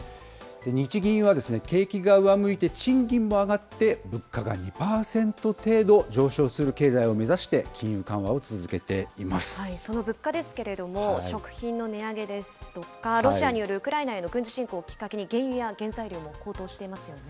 日銀は、景気が上向いて、賃金も上がって物価が２％程度上昇する経済を目指して、金融緩和その物価ですけれども、食品の値上げですとか、ロシアによるウクライナへの軍事侵攻をきっかけに原油や原材料も高騰していますよね。